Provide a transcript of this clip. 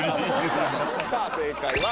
さあ正解は。